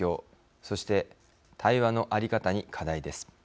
そして対話のあり方に課題です。